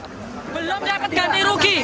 belum dapat ganti rugi